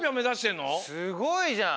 すごいじゃん！